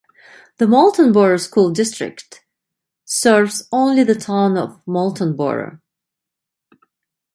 The Moultonborough School District serves only the town of Moultonborough.